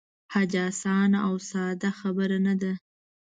حج آسانه او ساده خبره نه ده.